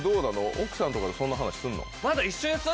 奥さんとかとそんな話すんの？